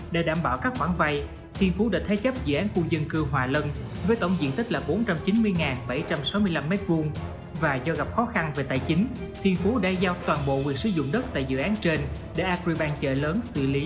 đây là thế chấp dự án kinh doanh bất đồng sản đó là dự án hòa lân